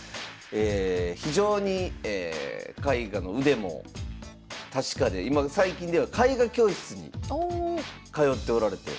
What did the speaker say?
非常に絵画の腕も確かで最近では絵画教室に通っておられて。